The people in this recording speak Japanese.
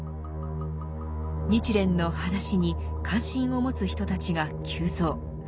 日蓮の話に関心を持つ人たちが急増。